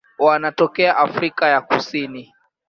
Wanatokea Afrika ya Kusini.